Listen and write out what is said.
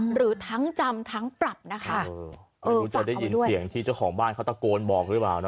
หรือทั้งจำทั้งปรับนะคะไม่รู้จะได้ยินเสียงที่เจ้าของบ้านเขาตะโกนบอกหรือเปล่านะ